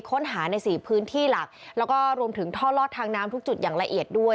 ค้นหาในสี่พื้นที่หลักแล้วก็รวมถึงท่อลอดทางน้ำทุกจุดอย่างละเอียดด้วย